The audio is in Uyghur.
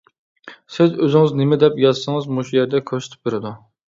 سىز ئۆزىڭىز نېمە دەپ يازسىڭىز مۇشۇ يەردە كۆرسىتىپ بېرىدۇ.